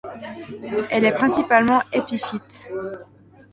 Elle est principalement épiphyte.